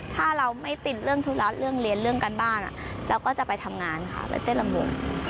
ถ้าเราไม่ติดเรื่องธุระเรื่องเรียนเรื่องการบ้านเราก็จะไปทำงานค่ะไปเต้นลำวง